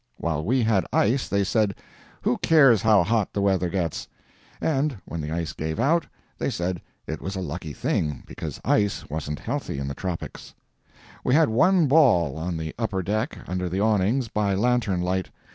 While we had ice they said: "Who cares how hot the weather gets?" and when the ice gave out, they said it was a lucky thing, because ice wasn't healthy in the tropics. We had one ball on the upper deck, under the awnings, by lantern light.